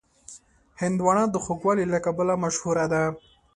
هندوانه د خوږوالي له کبله مشهوره ده.